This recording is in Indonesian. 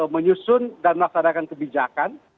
menyusun dan melaksanakan kebijakan